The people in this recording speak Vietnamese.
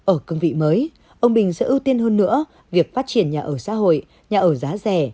ở cương vị mới ông bình sẽ ưu tiên hơn nữa việc phát triển nhà ở xã hội nhà ở giá rẻ